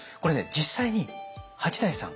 実際に八大さん